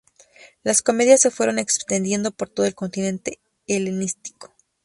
Las comedias se fueron extendiendo por todo el Oriente helenístico.